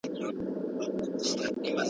ما په خپل ذهن کې د لندن د ډاکتر خبرې تکرارولې.